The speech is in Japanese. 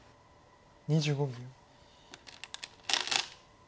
２５秒。